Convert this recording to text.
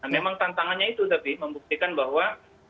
memang tantangannya itu tapi membuktikan bahwa